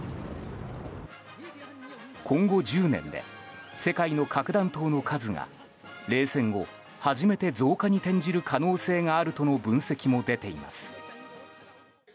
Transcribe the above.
今後１０年で世界の核弾頭の数が冷戦後、初めて増加に転じる可能性があるとの分析も出ています。